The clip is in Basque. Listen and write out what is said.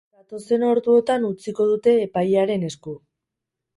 Datozen orduotan utziko dute epailearen esku.